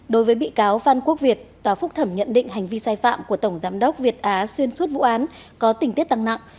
đối với bị cáo phan quốc việt tòa phúc thẩm nhận định hành vi sai phạm của tổng giám đốc việt á xuyên suốt vụ án có tình tiết tăng nặng